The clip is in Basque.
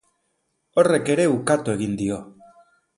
Horrek ere ukatu egin dio.